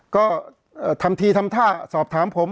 ก็ทำทีทำท่าสอบถามผม